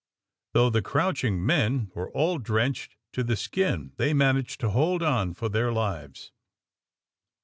Though the crouching men were all drenched to the skin, they managed to hold on for their lives.